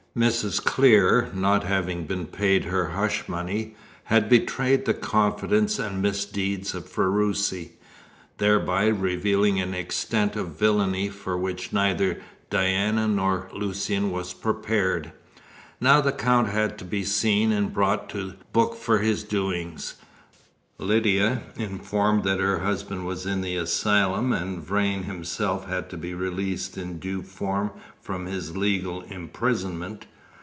Mrs. Clear, not having been paid her hush money, had betrayed the confidence and misdeeds of Ferruci, thereby revealing an extent of villainy for which neither Diana nor Lucian was prepared. Now the Count had to be seen and brought to book for his doings, Lydia informed that her husband was in the asylum, and Vrain himself had to be released in due form from his legal imprisonment.